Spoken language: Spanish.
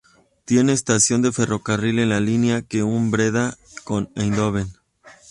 Tiene estación de ferrocarril en la línea que une Breda con Eindhoven.